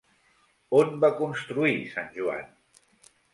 On va construir Sant Joan?